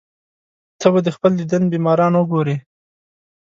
ته به د خپل دیدن بیماران وګورې.